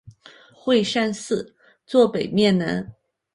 会善寺坐北面南。